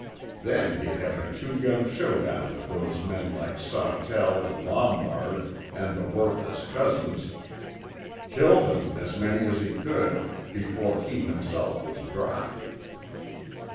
Then he'd have a two gun showdown with those men like Sawtell and Lombard and the worthless cousins. Kill them, as many as he could, before he himself was dropped.